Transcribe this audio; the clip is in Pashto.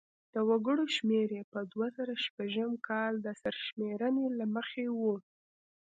د وګړو شمیر یې په دوه زره شپږم کال د سرشمېرنې له مخې و.